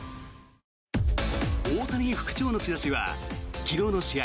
大谷復調の兆しは昨日の試合